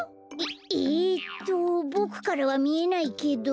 えっえとボクからはみえないけど。